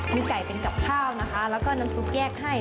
มีไก่เป็นกับข้าวนะคะแล้วก็น้ำซุปแยกให้